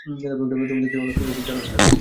তুমি দেখতে অনেক সুন্দর, জানো সেটা?